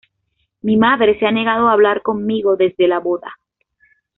Mi madre se ha negado a hablar conmigo desde la boda".